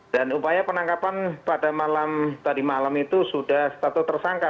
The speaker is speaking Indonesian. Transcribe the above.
dan upaya penangkapan pada malam tadi malam itu sudah status tersangka